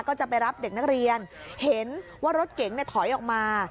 ก็จะไปรับเด็กนักเรียนเห็นว่ารถเก๋งถอยออกมา